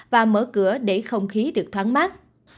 và mở cửa để không khí được thoáng mát